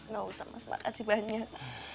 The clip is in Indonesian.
gak usah mas makasih banyak